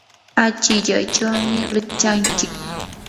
achikyaychawmi rikchanchik.